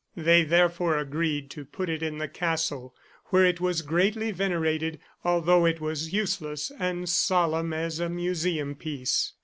They therefore agreed to put it in the castle, where it was greatly venerated, although it was useless and solemn as a museum piece.